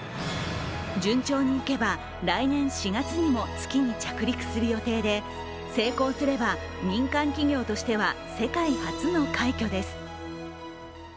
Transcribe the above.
順調にいけば、来年４月にも月に着陸する予定で成功すれば、民間企業としては世界初の快挙です。